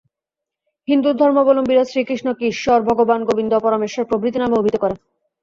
হিন্দু ধর্মাবলম্বীরা শ্রীকৃষ্ণকে ঈশ্বর, ভগবান, গোবিন্দ, পরমেশ্বর প্রভৃতি নামে অভিহিত করে।